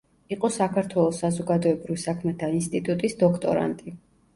იყო საქართველოს საზოგადოებრივ საქმეთა ინსტიტუტის დოქტორანტი.